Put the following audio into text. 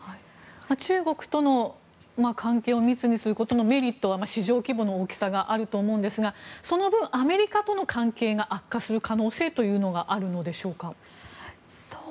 中国との関係を密にすることのメリットは市場規模の大きさがあると思いますがその分、アメリカとの関係が悪化する可能性もあるんでしょうか？